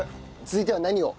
続いては何を？